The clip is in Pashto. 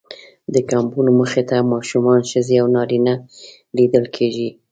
د کمپونو مخې ته ماشومان، ښځې او نارینه لیدل کېږي.